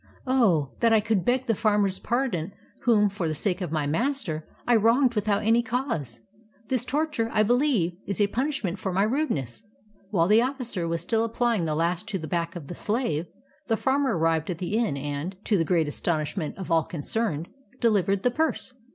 Oh, that I could beg the farmer's pardon whom, for the sake of my master, I wronged without any cause ! This tor ture, I believe, is a punishment for my rudeness." While the officer was still applying the lash to the back of the slave, the farmer arrived at the inn and, to the great astonishment of all concerned, delivered the purse.